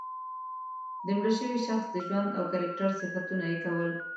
د مړه شوي شخص د ژوند او کرکټر صفتونه یې کول.